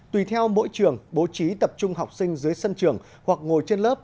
tùy theo mỗi trường bố trí tập trung học sinh dưới sân trường hoặc ngồi trên lớp